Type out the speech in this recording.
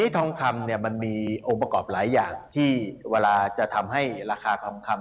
ทองคำเนี่ยมันมีองค์ประกอบหลายอย่างที่เวลาจะทำให้ราคาทองคำ